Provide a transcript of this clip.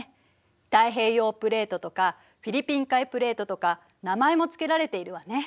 太平洋プレートとかフィリピン海プレートとか名前も付けられているわね。